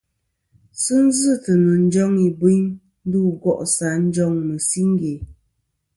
Sɨ zɨtɨ nɨ̀ njoŋ ìbɨyn ndu go'sɨ ǹ njoŋ mɨ̀siŋge.